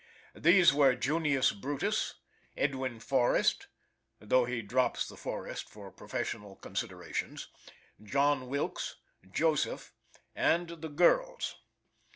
These were Junius Brutus, Edwin Forrest (though he drops the Forrest for professional considerations), John Wilkes, Joseph, and the girls.